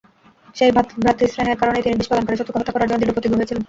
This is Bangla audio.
সেই ভ্রাতৃস্নেহের কারণেই তিনি বিষ প্রদানকারী শত্রুকে হত্যা করার জন্য দৃঢ়প্রতিজ্ঞ হয়েছিলেন।